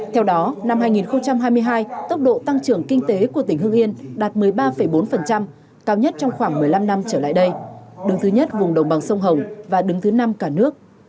theo đó năm hai nghìn hai mươi hai tốc độ tăng trưởng kinh tế của tỉnh hương yên đạt một mươi ba bốn cao nhất trong khoảng một mươi năm năm trở lại đây đứng thứ nhất vùng đồng bằng sông hồng và đứng thứ năm cả nước